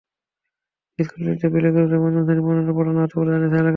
স্কুলটিতে play group থেকে পঞ্চম শ্রেণি পর্যন্ত পড়ানো হতো বলে জানিয়েছেন এলাকাবাসী।